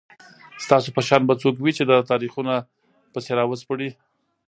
ستاسو په شان به څوک وي چي دا تاریخونه پسي راوسپړي